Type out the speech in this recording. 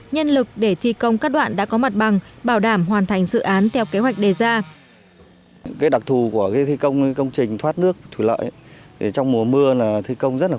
nhân lực để thi công các đoạn đã có mặt bằng bảo đảm hoàn thành dự án theo kế hoạch đề ra